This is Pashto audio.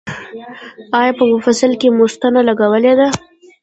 ایا په مفصل کې مو ستنه لګولې ده؟